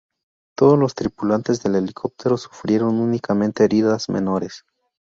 Todos los tripulantes del helicóptero sufrieron únicamente heridas menores.